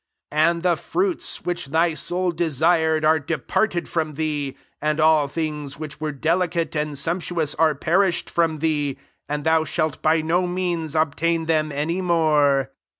14 And the fruits which thy soul desired are de parted from thee, and all things which were delicate and sump tuous are perished from thee, and thou shalt by no means ob tain them any more.